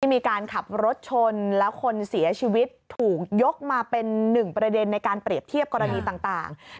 มีการขับรถชนแล้วคนเสียชีวิตถูกยกมาเป็นหนึ่งประเด็นในการเปรียบเทียบกรณีต่าง